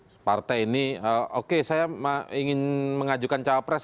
separtai ini oke saya ingin mengajukan cawapres